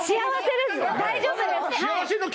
大丈夫です